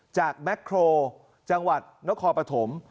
จากแม็คครัวจนกฎ์ประถม